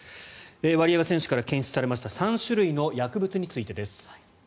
ワリエワ選手から検出された３種類の薬物についてです。